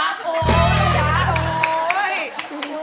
โธ่ตาย